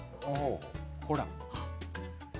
ほら。